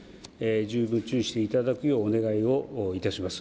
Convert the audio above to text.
十分注意していただくようお願いをいたします。